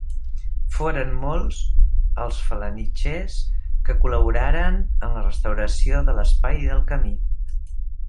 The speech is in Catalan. Foren molts els felanitxers que col·laboraren en la restauració de l'espai i del camí.